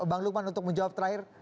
bang lukman untuk menjawab terakhir